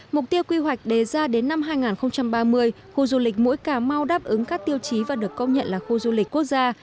mục tiêu quy hoạch đề ra đến năm hai nghìn ba mươi khu du lịch mũi cà mau đáp ứng các tiêu chí và được công nhận là khu du lịch quốc gia